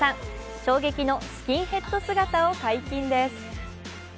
衝撃のスキンヘッド姿を解禁です。